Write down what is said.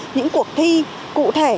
những cuộc thi cụ thể